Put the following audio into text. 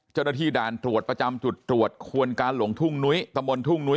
เจ้าหน้าที่ด่านตรวจประจำจุดตรวจควนการหลงทุ่งนุ้ยตะบนทุ่งนุ้ย